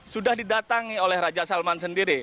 sudah didatangi oleh raja salman sendiri